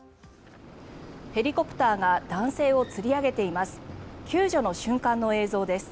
ヘリコプターが男性をつり上げています。